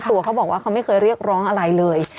ตัวเขาบอกว่าเขาไม่เคยเรียกร้องอะไรเลย